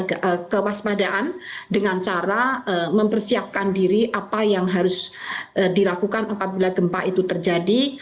dan kewaspadaan dengan cara mempersiapkan diri apa yang harus dilakukan apabila gempa itu terjadi